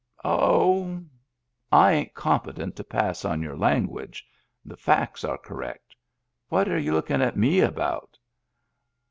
" Oh — I ain't competent to pass on your language. The facts are correct What are you lookin' at me about?"